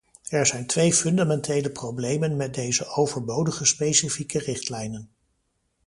Er zijn twee fundamentele problemen met deze overbodige specifieke richtlijnen.